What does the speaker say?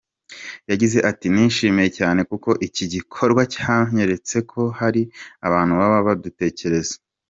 Yagize ati “Nishimye cyane kuko iki gikorwa cyanyeretse ko hari abantu baba badutekereza.